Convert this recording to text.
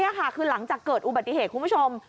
นี่ค่ะคือหลังจากเกิดอุบัติเหตุคุณผู้ชม